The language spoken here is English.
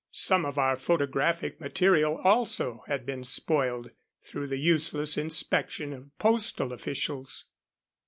Some of our photographic material also had been spoiled through the useless inspection of postal officials.